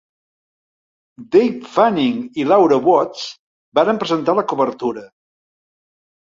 Dave Fanning i Laura Woods varen presentar la cobertura.